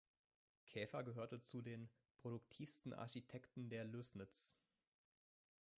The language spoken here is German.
Käfer gehörte zu den „produktivsten Architekten der Lößnitz“.